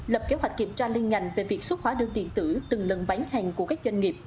lập kế hoạch kiểm tra liên ngành về việc xuất hóa đơn điện tử từng lần bán hàng của các doanh nghiệp